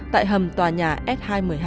tại hầm tòa nhà s hai trăm một mươi hai